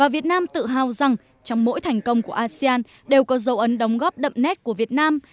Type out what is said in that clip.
việt nam tự hào rằng trong mỗi thành công của asean đều có dấu ấn đóng góp đậm nét của việt nam